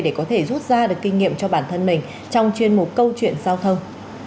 để có thể rút ra được kinh nghiệm cho bản thân mình trong chuyên mục câu chuyện giao thông